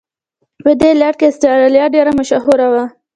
په دې لړ کې استرالیا ډېره مشهوره وه.